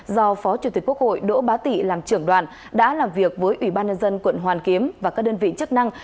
do phó chủ tịch quốc hội đỗ bá tị làm trưởng đoàn đã làm việc với ủy ban nhân dân quận hoàn kiếm và các đơn vị chức năng